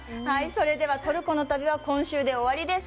それでは、トルコの旅は今週で終わりです。